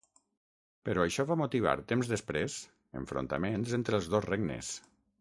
Però això va motivar temps després enfrontaments entre els dos regnes.